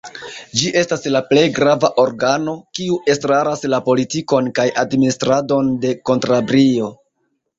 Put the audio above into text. Ĝi estas la plej grava organo, kiu estras la politikon kaj administradon de Kantabrio.